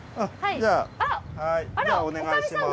じゃあお願いします。